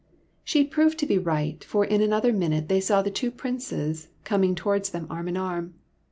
" She proved to be right, for in another min ute they saw the two Princes coming towards them arm in arm.